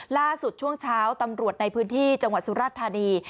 ช่วงเช้าตำรวจในพื้นที่จังหวัดสุรธานี